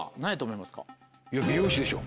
いや美容師でしょ。